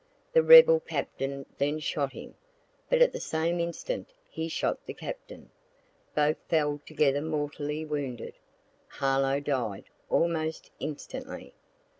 The rebel captain then shot him but at the same instant he shot the captain. Both fell together mortally wounded. Harlowe died almost instantly.